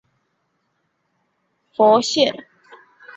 华盛顿县是美国佛罗里达州西北部的一个县。